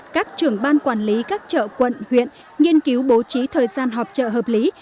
các trưởng ban quản lý các chợ quận huyện nghiên cứu bố trí thời gian họp chợ hợp lý